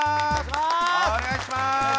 お願いします！